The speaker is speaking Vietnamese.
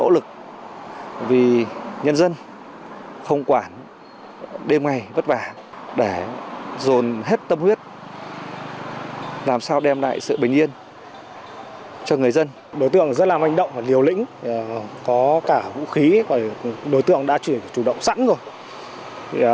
làm hành động liều lĩnh có cả vũ khí đối tượng đã chuyển chủ động sẵn rồi